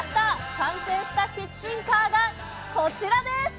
完成したキッチンカーがこちらです。